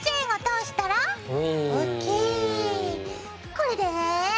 これで。